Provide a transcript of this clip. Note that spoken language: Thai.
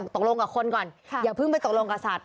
ตกลงกับคนก่อนอย่าเพิ่งไปตกลงกับสัตว